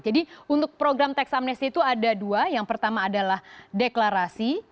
jadi untuk program teks amnesti itu ada dua yang pertama adalah deklarasi